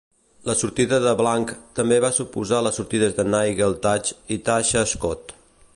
La sortida de Blank també va suposar les sortides de Nigel Thatch i Tasha Scott.